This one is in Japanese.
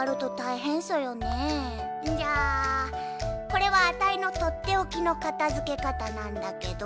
じゃあこれはあたいのとっておきのかたづけかたなんだけど。